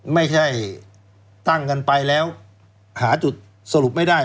ไม่ใช่ตั้งกันไปแล้วหาจุดสรุปไม่ได้